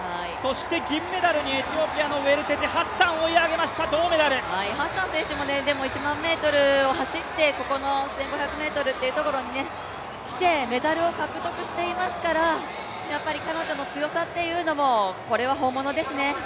銀メダルにエチオピアのウェルテジハッサン選手も１００００ｍ走ってここの１５００ｍというところにきて、メダルを獲得していますから、彼女の強さというのも本物ですね。